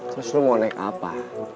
terus lo mau naik apa